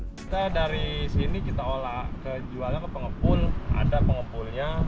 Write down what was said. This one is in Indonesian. kita dari sini kita olah ke jualan ke pengepul ada pengepulnya